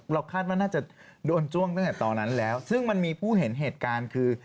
คาดว่าน่าจะโดนจ้วงตั้งแต่ตอนนั้นแล้วซึ่งมันมีผู้เห็นเหตุการณ์คือ